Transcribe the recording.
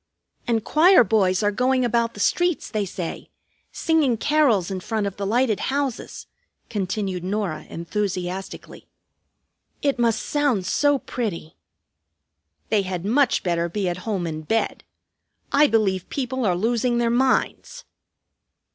"And choir boys are going about the streets, they say, singing carols in front of the lighted houses," continued Norah enthusiastically. "It must sound so pretty!" "They had much better be at home in bed. I believe people are losing their minds!"